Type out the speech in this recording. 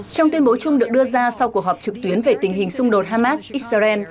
trong tuyên bố chung được đưa ra sau cuộc họp trực tuyến về tình hình xung đột hamas israel